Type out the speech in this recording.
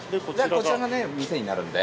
こちらが店になるんで。